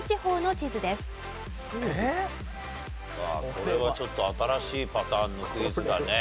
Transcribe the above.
これはちょっと新しいパターンのクイズだね。